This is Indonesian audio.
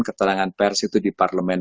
keterangan pers itu di parlemen